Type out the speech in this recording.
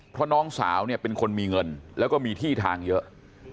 เพราะน้องสาวเนี่ยเป็นคนมีเงินแล้วก็มีที่ทางเยอะ